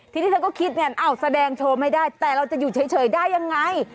ทีนี้เธอก็คิดไงอ้าวแสดงโชว์ไม่ได้แต่เราจะอยู่เฉยได้ยังไง